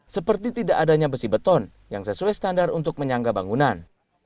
seperti tidak adanya besi beton yang sesuai standar untuk menyangga bangunan